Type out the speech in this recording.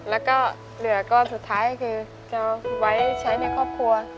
แล้วก็เหลือก้อนสุดท้ายคือจะไว้ใช้ในครอบครัว